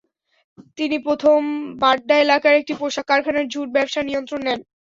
তিনি প্রথম বাড্ডা এলাকার একটি পোশাক কারখানার ঝুট ব্যবসার নিয়ন্ত্রণ নেন।